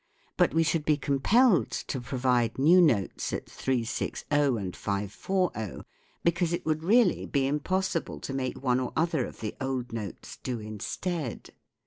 But we should be compelled to provide new notes at 360 and 540, because it would really be impossible to make one or other of the old notes do instead.